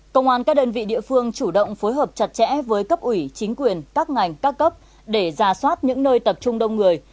công an các đơn vị địa phương chủ động phối hợp chặt chẽ với cấp ủy chính quyền các ngành các cấp để ra soát những nơi tập trung đông người